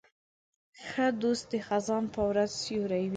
ښه دوست د خزان په ورځ سیوری وي.